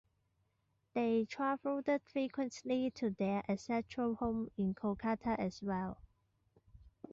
They travelled frequently to their ancestral home in Kolkata as well.